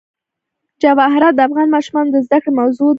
جواهرات د افغان ماشومانو د زده کړې موضوع ده.